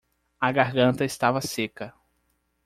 A garganta estava seca